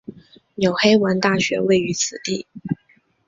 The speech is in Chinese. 纽黑文大学位于此地。